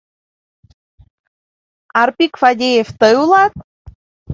Арпик Фадеев тый улат?